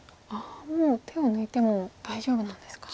もう手を抜いても大丈夫なんですか。